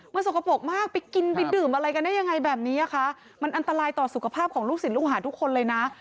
มันสกปรกมากไปกินไปดื่มอะไรกันได้ยังไงแบบนี้คะมันอันตรายต่อสุขภาพของลูกศิษย์ลูกหาทุกคนเลยนะ